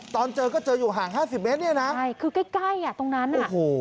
ตอนเจอก็เจออยู่หาง๕๐เมตรนี่นะคือใกล้ตรงนั้นเหรอคะโอ้โห